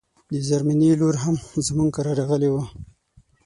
د زرمينې لور هم زموږ کره راغلی و